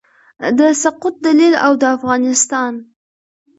د سقوط دلایل او د افغانستان